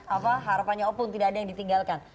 apa harapannya opun tidak ada yang ditinggalkan